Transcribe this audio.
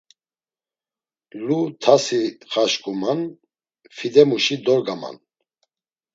Lu ntasi xaşǩuman, fidemuşi dorgaman.